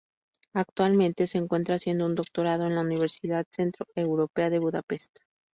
Actualmente se encuentra haciendo un doctorado en la Universidad Centroeuropea de Budapest.